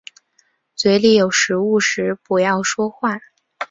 嘴里有食物时不要说话。